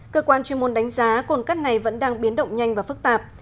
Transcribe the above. cơ quan chuyên môn đánh giá cồn cát này vẫn đang biến động nhanh và phức tạp